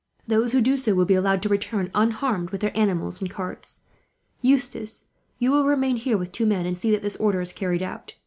Those who do so will be allowed to return, unharmed, with their animals and carts. "Eustace, you will remain here with two men, and see that this order is carried out.